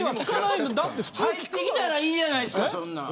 入ってきたらいいじゃないですか。